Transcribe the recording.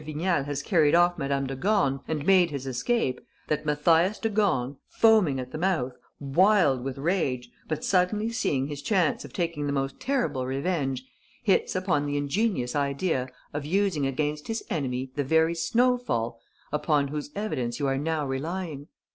Vignal has carried off Madame de Gorne and made his escape, that Mathias de Gorne, foaming at the mouth, wild with rage, but suddenly seeing his chance of taking the most terrible revenge, hits upon the ingenious idea of using against his enemy the very snowfall upon whose evidence you are now relying.